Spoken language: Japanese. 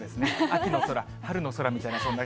秋の空、春の空みたいな、そんな。